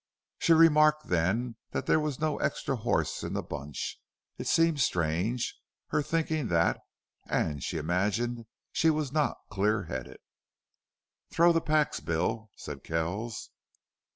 She remarked then that there was no extra horse in the bunch. It seemed strange, her thinking that, and she imagined she was not clear headed. "Throw the packs, Bill," said Kells.